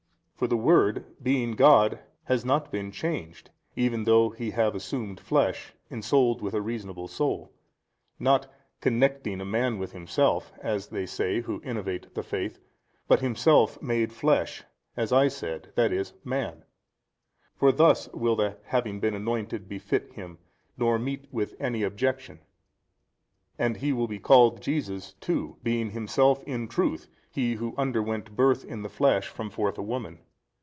For the Word being God has not been changed, even though He have assumed flesh ensouled with a reasonable soul, not connecting a man with Himself, as they say who innovate the Faith, but Himself made flesh as I said, i. e., man: for thus will the having been anointed befit Him nor meet with any objection; and He will be called Jesus too, being Himself in truth He Who underwent birth in the flesh from forth a woman.